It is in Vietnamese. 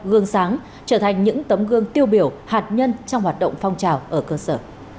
gương sáng trở thành những tấm gương tiêu biểu hạt nhân trong hoạt động phong trào ở cơ sở